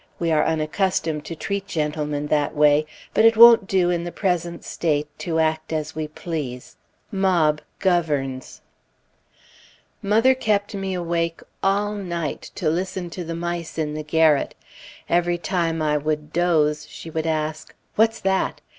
We are unaccustomed to treat gentlemen that way; but it won't do in the present state to act as we please. Mob governs. Mother kept me awake all night to listen to the mice in the garret. Every time I would doze she would ask, "What's that?"